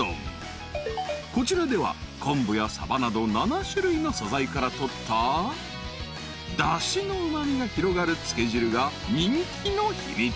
［こちらでは昆布やさばなど７種類の素材から取っただしのうま味が広がるつけ汁が人気の秘密］